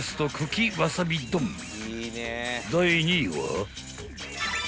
［第２位は］